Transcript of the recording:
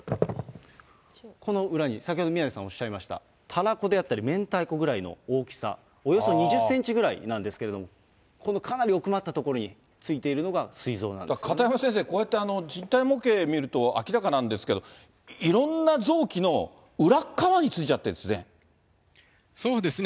この裏に、先ほど宮根さんおっしゃいました、たらこであったり明太子ぐらいの大きさ、およそ２０センチくらいなんですけど、このかなり奥まった所についているのがすい臓なん片山先生、こうやって人体模型見ると明らかなんですけど、いろんな臓器の裏っ側についちゃってるんですね。